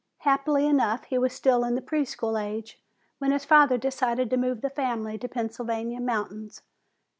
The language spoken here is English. Happily enough, he was still in the pre school age when his father decided to move the family to the Pennsylvania mountains.